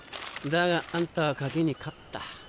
だがあんたは賭けに勝った。